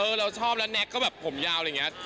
เราชอบแล้วแน็กก็แบบผมยาวอะไรอย่างนี้